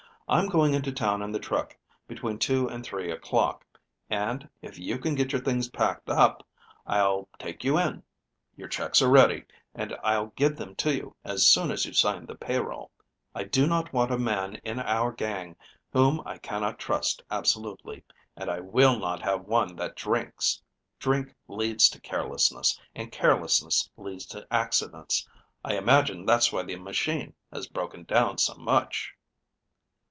"I'm going into town in the truck between two and three o'clock, and, if you can get your things packed up, I'll take you in. Your checks are ready, and I'll give them to you as soon as you sign the payroll. I do not want a man in our gang whom I cannot trust absolutely. And I will not have one that drinks. Drink leads to carelessness, and carelessness leads to accidents. I imagine that's why the machine has been broken down so much."